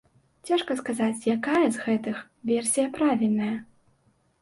Цяжка сказаць, якая з гэтых версія правільная.